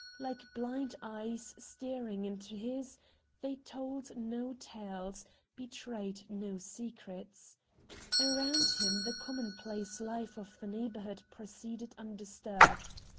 Like blind eyes staring into his, they told no tales, betrayed no secret. Around him the commonplace life of the neighborhood proceeded undisturbed.